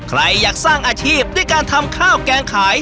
ใครอยากสร้างอาชีพด้วยการทำข้าวแกงขาย